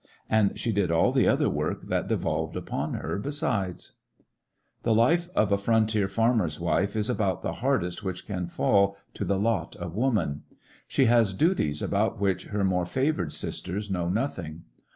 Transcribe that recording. And she did all the other work that devolved upon her, besides. The farmer's The life of a frontier farmer's wife is about the hardest which can fall to the lot of woman. She has duties about which her more favored sisters know nothing.